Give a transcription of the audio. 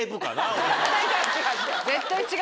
絶対違うぞ。